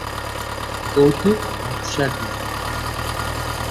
কৌতুক নকশা ডিজাইন।